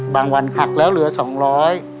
วันหักแล้วเหลือสองร้อย